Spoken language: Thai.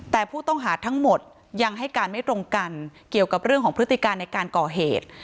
แต่ผู้ต้องหาทั้งหมดยังให้การไม่ตรงกันเกี่ยวกับเรื่องของพฤติการในการก่อเหตุ